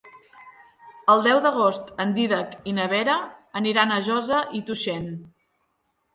El deu d'agost en Dídac i na Vera aniran a Josa i Tuixén.